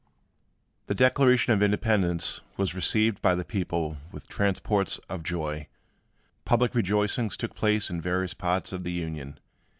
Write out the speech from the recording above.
This declaration [of Independence] was received by the people with transports of joy. Public rejoicings took place in various parts of the Union.